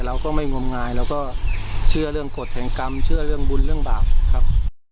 เราก็ไม่งมงายเราก็เชื่อเรื่องกฎแห่งกรรมเชื่อเรื่องบุญเรื่องบาปครับ